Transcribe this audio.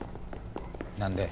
何で？